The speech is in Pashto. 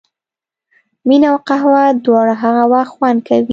مینه او قهوه دواړه هغه وخت خوند کوي.